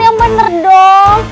yang bener dong